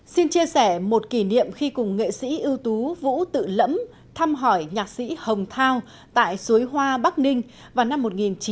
xin chia sẻ một kỷ niệm khi cùng nghệ sĩ ưu tú vũ tự lẫm thăm hỏi nhạc sĩ hồng thao tại suối hoa bắc ninh vào năm một nghìn chín trăm bảy mươi năm